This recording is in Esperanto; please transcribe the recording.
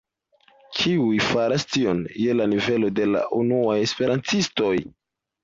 Kiuj faras tion je la nivelo de la unuaj esperantistoj?